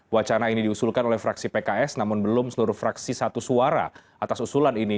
wacana ini diusulkan oleh fraksi pks namun belum seluruh fraksi satu suara atas usulan ini